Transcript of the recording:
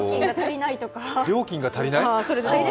料金が足りない？